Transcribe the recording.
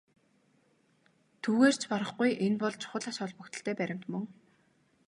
Түүгээр ч барахгүй энэ бол чухал ач холбогдолтой баримт мөн.